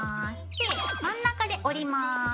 で真ん中で折ります。